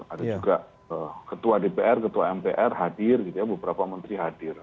ada juga ketua dpr ketua mpr hadir gitu ya beberapa menteri hadir